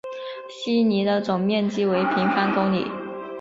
希尼的总面积为平方公里。